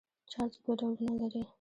چارج دوه ډولونه لري.